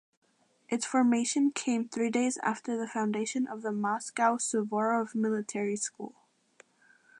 Its formation came three days after the foundation of the Moscow Suvorov Military School.